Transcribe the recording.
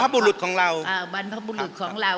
บรรพบุรุษของเรา